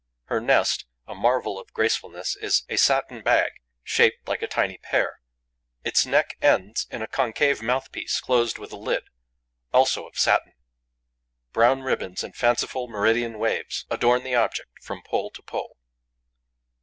Her nest, a marvel of gracefulness, is a satin bag, shaped like a tiny pear. Its neck ends in a concave mouthpiece closed with a lid, also of satin. Brown ribbons, in fanciful meridian waves, adorn the object from pole to pole.